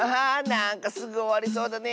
なんかすぐおわりそうだね